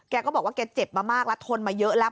แกก็บอกว่าแกเจ็บมามากแล้วทนมาเยอะแล้ว